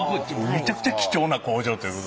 めちゃくちゃ貴重な工場ということで。